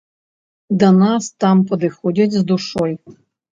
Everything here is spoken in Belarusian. Да нас там падыходзяць з душой.